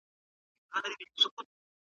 له انسانانو سره د جنس په څير چلند مه کوئ.